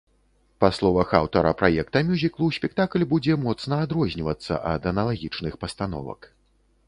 Па словах аўтара праекта мюзіклу, спектакль будзе моцна адрознівацца ад аналагічных пастановак.